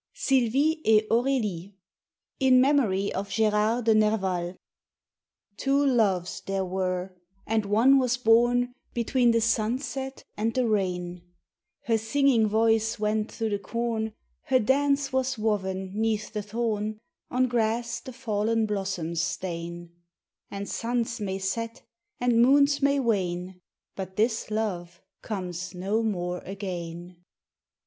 SYLVIE ET AURÉLIE. IN MEMORY OF GÉRARD DE NERVAL. TWO loves there were, and one was born Between the sunset and the rain; Her singing voice went through the corn, Her dance was woven 'neath the thorn, On grass the fallen blossoms stain; And suns may set, and moons may wane, But this love comes no more again.